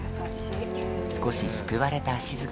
少し救われた静。